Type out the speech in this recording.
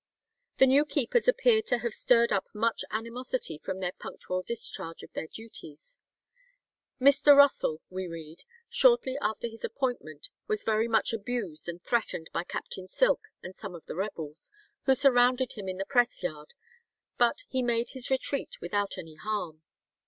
The new keepers appear to have stirred up much animosity from their punctual discharge of their duties. Mr. Russell, we read, shortly after his appointment was very much abused and threatened by Captain Silk and some of the rebels, who surrounded him in the press yard, but he made his retreat without any harm.